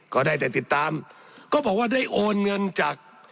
ก็ได้แต่ติดตามก็บอกว่าได้โอนเงินจาก